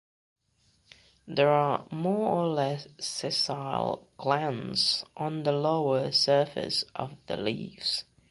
There are more or less sessile glands on the lower surface of the leaves.